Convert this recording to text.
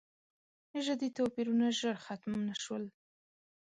نژادي توپیرونه ژر ختم نه شول.